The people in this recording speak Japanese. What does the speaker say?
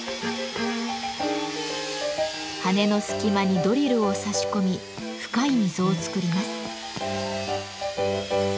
羽の隙間にドリルを差し込み深い溝を作ります。